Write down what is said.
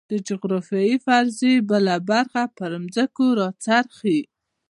د جغرافیوي فرضیې بله برخه پر ځمکو راڅرخي.